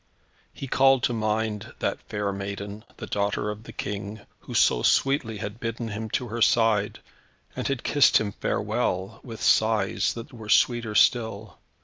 He called to mind that fair maiden, the daughter of his King, who so sweetly had bidden him to her side, and had kissed him farewell, with sighs that were sweeter still.